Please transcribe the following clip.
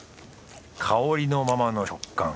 香りのままの食感。